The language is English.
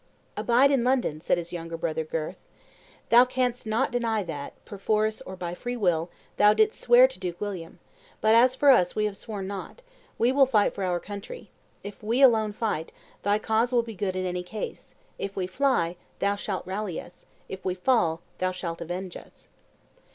"Abide in London," said his younger brother, Gurth: "thou canst not deny that, perforce or by free will, thou didst swear to Duke William; but, as for us, we have sworn nought; we will fight for our country; if we alone fight, thy cause will be good in any case; if we fly, thou shalt rally us; if we fall, thou shalt avenge us."